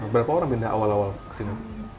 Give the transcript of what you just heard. berapa orang pindah awal awal ke sini